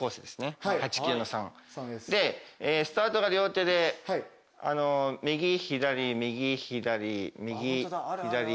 ８級の３。でスタートが両手で右左右左右左右。